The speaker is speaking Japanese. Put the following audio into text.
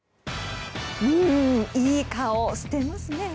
いい顔していますね。